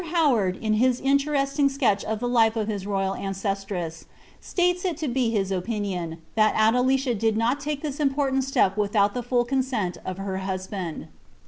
Howard, in his interesting sketirli of the life of bis royal ance* tress, slates it to be bis opinion, that Adelieia did not take this importani Btep without the full consent of her husband.